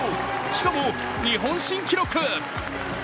しかも日本新記録。